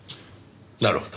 なるほど。